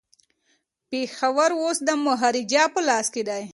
پېښور اوس د مهاراجا په لاس کي دی.